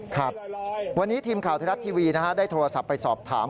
ครับวันนี้ทีมข่าวไทยรัฐทีวีได้โทรศัพท์ไปสอบถาม